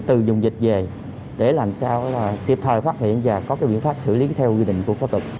từ dùng dịch về để làm sao là kịp thời phát hiện và có biện pháp xử lý theo quy định của phó tục